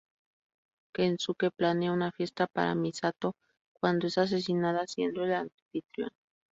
Kensuke planea una fiesta para Misato cuando es ascendida, siendo el anfitrión.